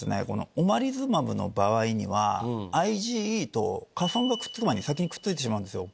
オマリズマブの場合ＩｇＥと花粉がくっつく前に先にくっついてしまうんですよ。